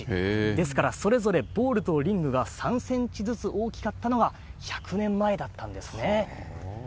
ですから、それぞれボールとリングが３センチずつ大きかったのは１００年前だったんですね。